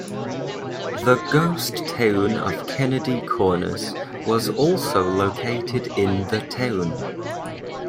The ghost town of Kennedy Corners was also located in the town.